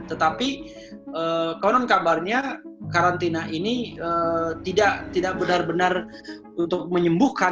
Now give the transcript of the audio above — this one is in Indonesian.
tetapi konon kabarnya karantina ini tidak benar benar untuk menyembuhkan